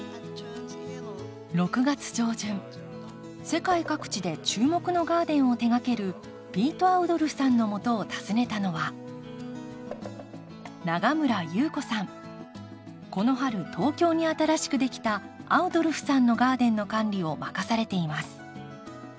世界各地で注目のガーデンを手がけるピート・アウドルフさんのもとを訪ねたのはこの春東京に新しくできたアウドルフさんのガーデンの管理を任されています。